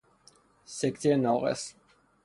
سکته ناقص